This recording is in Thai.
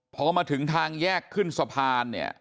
พอมาถึงทางแยกขึ้นสะพานเนี่ย